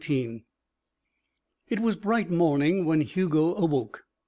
XIX It was bright morning when Hugo awoke.